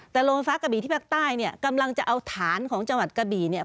แต่โรงฟ้ากระบี่ที่ภาคใต้เนี่ยกำลังจะเอาฐานของจังหวัดกะบี่เนี่ย